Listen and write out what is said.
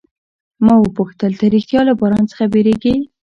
ما وپوښتل، ته ریښتیا له باران څخه بیریږې؟